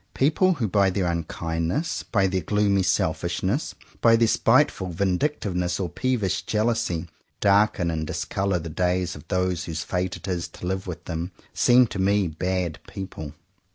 People who by their unkindness, by their gloomy selfishness, by their spiteful vindictiveness or peevish jealousy, darken and discolour the days of those whose fate it is to live with them, seem to me bad peo ple.